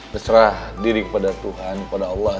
berserah diri kepada tuhan kepada allah